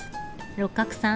六角さん